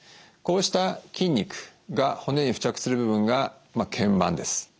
こうした筋肉が骨に付着する部分が腱板です。